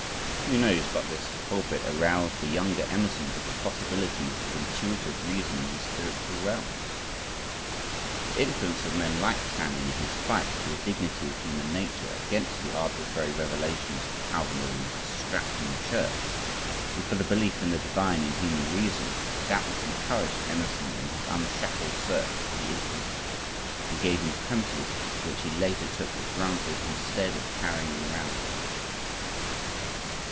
Who knows but this pulpit aroused the younger Emerson to the possibilities of intuitive reasoning in spiritual realms? The influence of men like Channing in his fight for the dignity of human nature, against the arbitrary revelations that Calvinism had strapped on the church, and for the belief in the divine in human reason, doubtless encouraged Emerson in his unshackled search for the infinite, and gave him premises which he later took for granted instead of carrying them around with him.